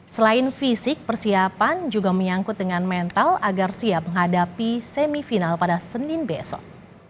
selain fisik persiapan juga menyangkut dengan mental agar siap menghadapi semifinal pada senin besok